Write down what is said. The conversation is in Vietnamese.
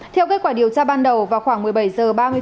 theo kết quả điều tra ban đầu vào khoảng một mươi bảy h